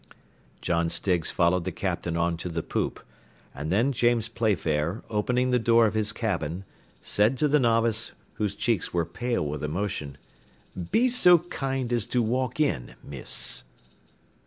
John Stiggs followed the Captain on to the poop, and then James Playfair, opening the door of his cabin, said to the novice, whose cheeks were pale with emotion, "Be so kind as to walk in, miss."